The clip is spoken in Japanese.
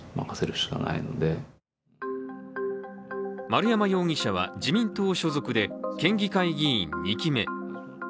丸山容疑者は自民党所属で県議会議員２期目。